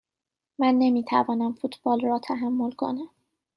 من نمی توانم فوتبال را تحمل کنم.